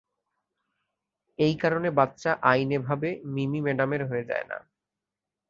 এই কারনে বাচ্চা আইনেভাবে মিমি ম্যাডামের হয়ে যায় না।